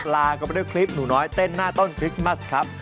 ลากันไปด้วยคลิปหนูน้อยเต้นหน้าต้นคริสต์มัสครับ